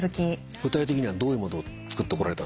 具体的にはどういうものを作ってこられたんですか？